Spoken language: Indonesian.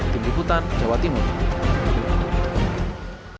tim ikutan jawa timur